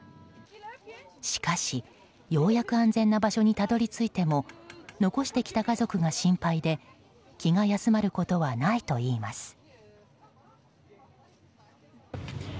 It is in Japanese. しかし、ようやく安全な場所にたどり着いても残してきた家族が心配で気が休まることはないといいます。